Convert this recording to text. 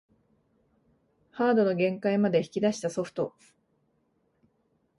ハードの限界まで引き出したソフト